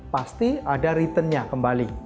pasti ada returnnya kembali